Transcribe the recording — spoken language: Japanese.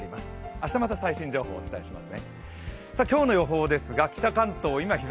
明日、また最新情報をお伝えします